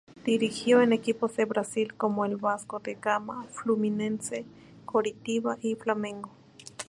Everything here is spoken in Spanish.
Dirigió en equipos de Brasil como el Vasco da Gama, Fluminense, Coritiba y Flamengo.